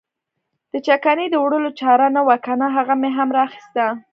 د چکنۍ د وړلو چاره نه وه کنه هغه مې هم را اخیستله.